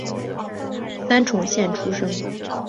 三重县出身。